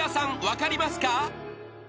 分かりますか？］